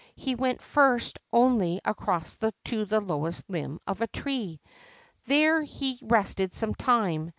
He went first only across to the lowest limb of a tree. There he rested some time.